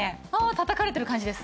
たたかれてる感じです。